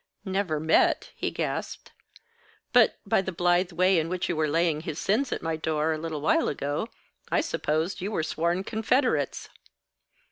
"Never met ?" he gasped. "But, by the blithe way in which you were laying his sins at my door, a little while ago, I supposed you were sworn confederates."